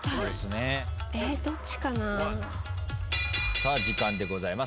さあ時間でございます。